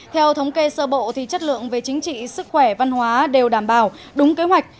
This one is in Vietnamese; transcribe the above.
theo thống kê sơ bộ chất lượng về chính trị sức khỏe văn hóa đều đảm bảo đúng kế hoạch